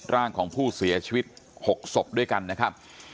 ร่างของผู้เสียชีวิต๖ศพด้วยกันนะครับ